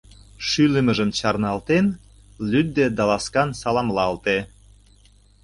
шӱлымыжым чарналтен, лӱдде да ласкан саламлалте.